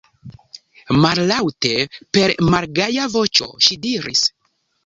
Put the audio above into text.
Mallaŭte, per malgaja voĉo ŝi diris: